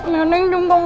nenek juga gak mau